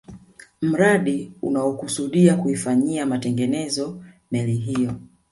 Mradi unaokusudia kuifanyia matengenezo meli hiyo